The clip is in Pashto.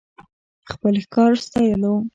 خپل ښکار ستايلو .